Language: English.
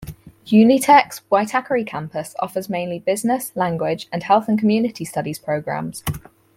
Unitec's Waitakere campus offers mainly business, language, and health and community studies programs.